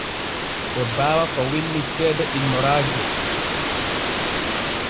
Ɓe baawa ko winni ceede innoraaje.